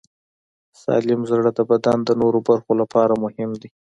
سالم زړه د بدن د نورو برخو لپاره مهم دی.